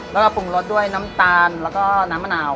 แล้วเราปรุงรสด้วยน้ำตาลแล้วก็น้ำมะนาว